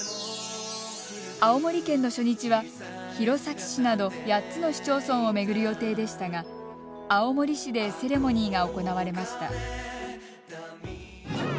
青森県の初日は弘前市など８つの市町村を巡る予定でしたが青森市でセレモニーが行われました。